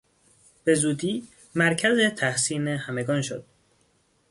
به زودی مرکز تحسین همگان شد.